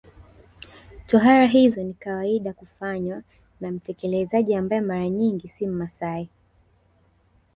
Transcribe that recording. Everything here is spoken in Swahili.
Tohara hizo ni kawaida kufanywa na mtekelezaji ambaye mara nyingi si Mmasai